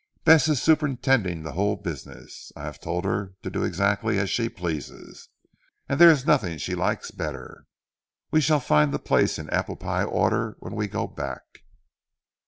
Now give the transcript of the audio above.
Bess is superintending the whole business. I have told her to do exactly as she pleases, and there is nothing she likes better. We shall find the place in apple pie order when we go back."